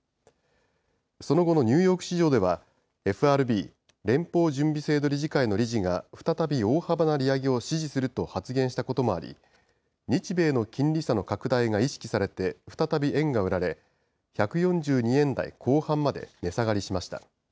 その後のニューヨーク市場では、ＦＲＢ・連邦準備制度理事会の理事が再び大幅な利上げを支持すると発言したこともあり、日米の金利差の拡大が意識されて、再び円が売られ、１４２円台後半まで値下がりしました。